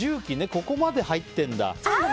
ここまで入ってるんだ。